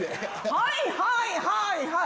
はいはいはいはい！